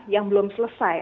yang belum selesai